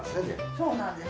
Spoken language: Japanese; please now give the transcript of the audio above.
そうなんです。